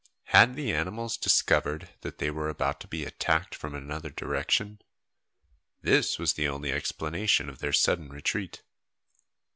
Had the animals discovered that they were about to be attacked from another direction? This was the only explanation of their sudden retreat.